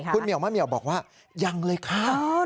คุณมะเหมี่ยวบอกว่ายังเลยค่ะ